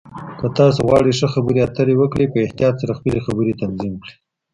که تاسو غواړئ ښه خبرې اترې وکړئ، په احتیاط سره خپلې خبرې تنظیم کړئ.